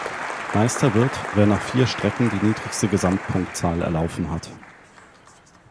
Meister wird, wer nach vier Strecken die niedrigste Gesamtpunktzahl erlaufen hat.